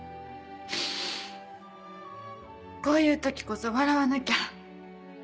こういう時こそ笑わなきゃ。